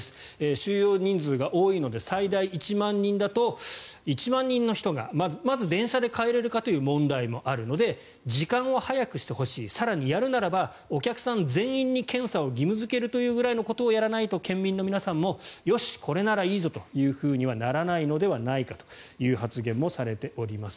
収容人数が多いので最大１万人だと１万人の人がまず電車で帰れるかという問題もあるので時間を早くしてほしい更に、やるならばお客さん全員に検査を義務付けるということをやらないと県民の皆さんもよし、これならいいぞとはならないのではないかという発言もされております。